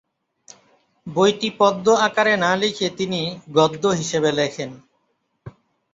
বইটি পদ্য আকারে না লিখে তিনি গদ্য হিসেবে লেখেন।